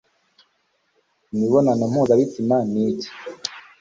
imibonano mpuzabitsina ni iki